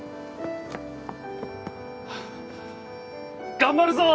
頑張るぞー！